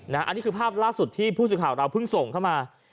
อันนี้คือภาพล่าสุดที่ผู้สื่อข่าวเราเพิ่งส่งเข้ามา